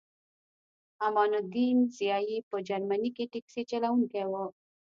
امان الدین ضیایی په جرمني کې ټکسي چلوونکی و